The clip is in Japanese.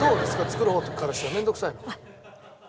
作る方からしたら面倒くさいの？